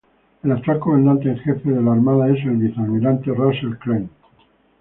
El actual comandante en jefe de la armada es el vicealmirante Russell Crane.